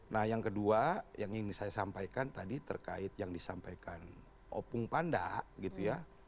nah yang kedua yang ingin saya sampaikan tadi terkait yang disampaikan opung panda gitu ya